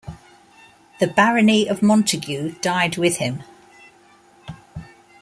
The barony of Montagu died with him.